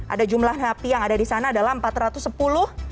ada jumlah napi yang ada di sana adalah empat ratus sepuluh